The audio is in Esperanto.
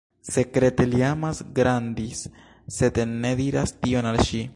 Sekrete li amas Grandis, sed ne diras tion al ŝi.